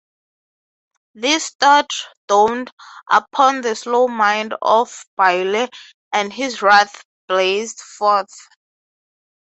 This thought dawned upon the slow mind of Boyle, and his wrath blazed forth.